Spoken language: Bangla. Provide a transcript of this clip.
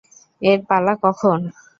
এর পালা কখন?